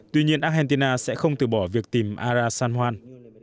tuy nhiên argentina sẽ không từ bỏ việc tìm ira san juan